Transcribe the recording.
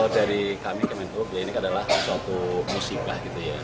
dari kami kementerian perhubungan ini adalah suatu musikah gitu ya